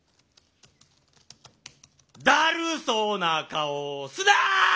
だるそうな顔すな！